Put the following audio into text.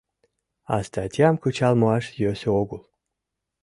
А статьям кычал муаш йӧсӧ огыл».